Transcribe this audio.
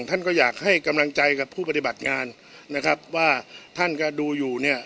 ท่านก็อยากให้กำลังใจกับผู้ปฏิบัติงานนะครับว่าท่านก็ดูอยู่เนี่ย